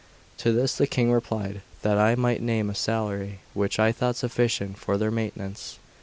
To this the King replied that I might name a salary which I thought sufficient for their maintenance.